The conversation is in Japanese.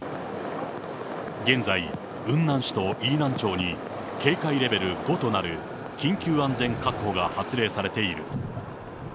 現在、雲南市と飯南町に警戒レベル５となる、緊急安全確保が発令されている。